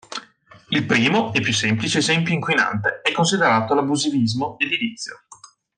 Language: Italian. Il primo e più semplice esempio inquinante è considerato l'abusivismo edilizio.